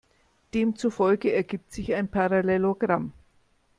Demzufolge ergibt sich ein Parallelogramm.